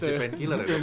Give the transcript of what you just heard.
kasih painkiller gitu